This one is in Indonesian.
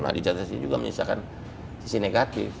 nah digitalisasi juga menyisakan sisi negatif